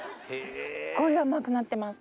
すっごい甘くなってます